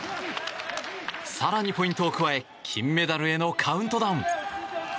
更にポイントを加え金メダルへのカウントダウン。